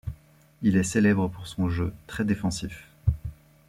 Il est célèbre pour son jeu très défensif.